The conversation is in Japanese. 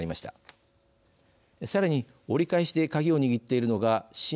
さらに折り返しで鍵を握っているのが新